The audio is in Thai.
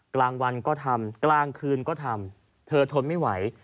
กลางวันก็ทำกลางคืนก็ทำเธอทนไม่ไหว